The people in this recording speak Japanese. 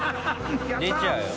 出ちゃうよ